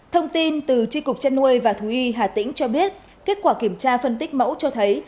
thông tin từ tri cục chăn nuôi và thú y hà tĩnh cho biết kết quả kiểm tra phân tích mẫu cho thấy